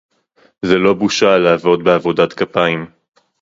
זו לא בושה לעבוד בעבודת כפיים